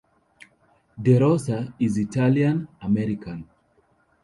DeRosa is Italian American.